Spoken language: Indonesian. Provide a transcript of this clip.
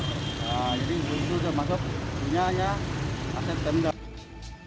nah jadi itu sudah masuk punya aset kendaraan